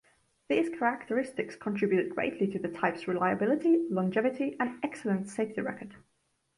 These characteristics contributed greatly to the type's reliability, longevity, and excellent safety record.